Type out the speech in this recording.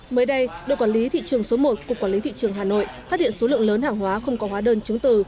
mới đây đội quản lý thị trường số một của quản lý thị trường hà nội phát hiện số lượng lớn hàng hóa không có hóa đơn chứng từ